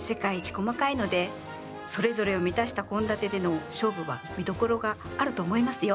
細かいのでそれぞれを満たした献立での勝負は見どころがあると思いますよ！